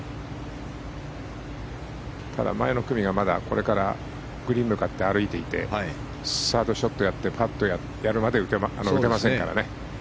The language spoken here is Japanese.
前の組がこれからグリーンに向かって歩いていてサードショットやってパットをやるまで打てませんからね。